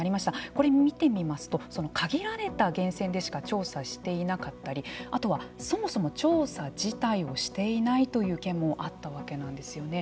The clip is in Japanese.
これを見てみますと限られた源泉でしか調査していなかったりあとはそもそも調査自体をしていないという県もあったわけなんですよね。